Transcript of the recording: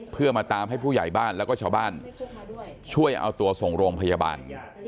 เพื่อมาตามให้ผู้ใหญ่บ้านแล้วก็ชาวบ้านช่วยเอาตัวส่งโรงพยาบาล